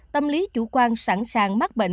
tâm lý chủ quan sẵn sàng mắc bệnh